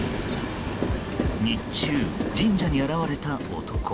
日中、神社に現れた男。